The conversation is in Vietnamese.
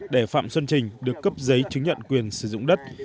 để phạm xuân trình được cấp giấy chứng nhận quyền sử dụng đất